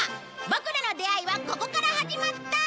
ボクらの出会いはここから始まった！